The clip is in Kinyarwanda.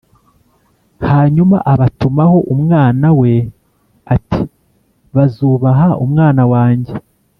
Hanyuma abatumaho umwana we ati ‘Bazubaha umwana wanjye.’